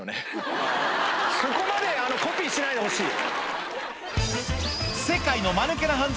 そこまでコピーしないでほしい。